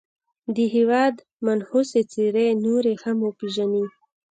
د هېواد منحوسي څېرې نورې هم وپېژني.